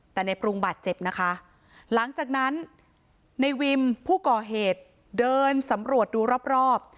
แต่ในปรุงบาดเจ็บนะคะหลังจากนั้นในวิมผู้ก่อเหตุเดินสำรวจดูรอบรอบ